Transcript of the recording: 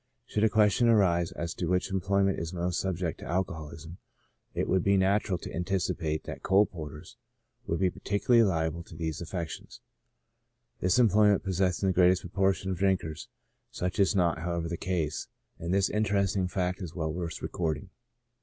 Should a question arise as to which employment is most sub ject to alcoholism, it would be natural to anticipate that coal porters would be particularly liable to these affections, this employment possessing the greatest proportion of drinkers ; such is not, however, the case, and this interest ing fact is well worth recording.